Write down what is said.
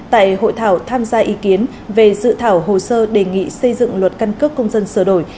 tại hội thảo tham gia ý kiến về dự thảo hồ sơ đề nghị xây dựng luật căn cước công dân sửa đổi